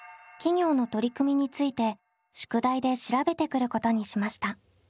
企業の取り組みについて宿題で調べてくることにしました。